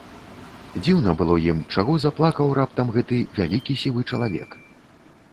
Дзіўна было ім, чаго заплакаў раптам гэты вялікі сівы чалавек.